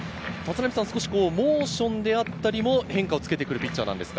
少しモーションであったり、変化をつけてくるピッチャーなんですか？